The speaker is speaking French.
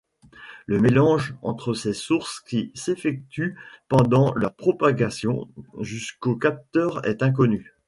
Le mélange entre ces sources, qui s'effectue pendant leur propagation jusqu'aux capteurs, est inconnu.